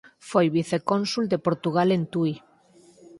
Foi vicecónsul de Portugal en Tui.